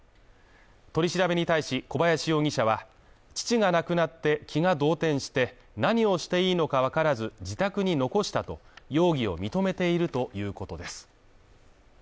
取り調べに対し小林容疑者は、父が亡くなって気が動転して何をしていいのかわからず、自宅に残したと容疑を認めているということです。